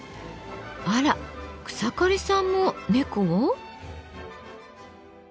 あら草刈さんも猫を？